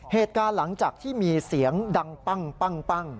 เหตุการณ์หลังจากที่มีเสียงดังปั้ง